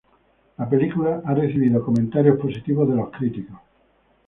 La película ha recibido comentarios positivos de los críticos.